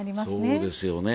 そうですよね。